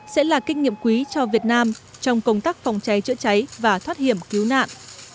sẽ là kinh nghiệm quý cho việt nam trong công tác phòng cháy chữa cháy và thoát hiểm cứu nạn